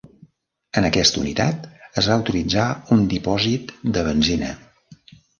En aquesta unitat es va utilitzar un dipòsit de benzina.